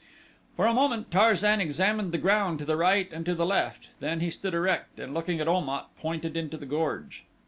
For a moment Tarzan examined the ground to the right and to the left, then he stood erect and looking at Om at pointed into the gorge.